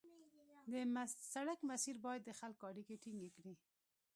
د سړک مسیر باید د خلکو اړیکې ټینګې کړي